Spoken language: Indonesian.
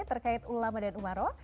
terkait ulama dan umaroh